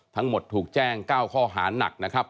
ทั้งหมดถูกแจ้ง๙ข้อหานักนะครับ